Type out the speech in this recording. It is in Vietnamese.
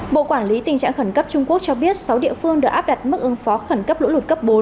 bộ quản lý tình trạng khẩn cấp trung quốc cho biết sáu địa phương đã áp đặt mức ứng phó khẩn cấp lũ lụt cấp bốn